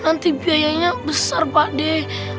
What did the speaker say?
nanti biayanya besar pak d